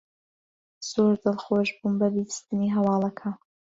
زۆر دڵخۆش بووم بە بیستنی هەواڵەکە.